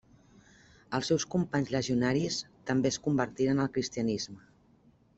Els seus companys legionaris, també es convertiren al cristianisme.